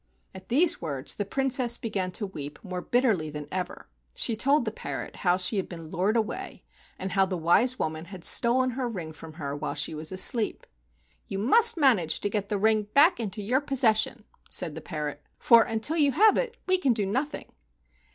At these words the Princess began to weep more bitterly than ever. She told the parrot how she had been lured away, and how the wise woman had stolen her ring from her while she was asleep. "You must manage to get the ring back into your possession," said the parrot, "for until you have it, we can do nothing."